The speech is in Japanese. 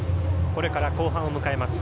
これから後半を迎えます